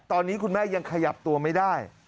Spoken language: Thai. ตอนนี้คุณแม่ยังขยับตัวไม่ได้